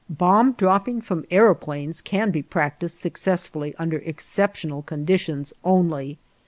Bomb dropping from aëroplanes can be practiced successfully under exceptional conditions only.